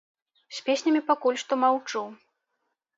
З песнямі пакуль што маўчу.